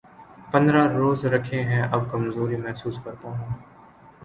پندرہ روزے رکھے ہیں‘ اب کمزوری محسوس کر تا ہوں۔